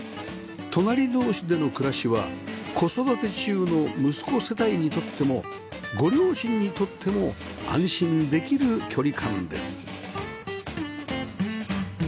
隣同士での暮らしは子育て中の息子世帯にとってもご両親にとっても安心できる距離感です